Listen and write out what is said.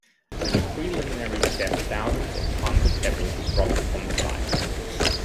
As a preliminary step, thousands of tons of pebbles were dropped on the site.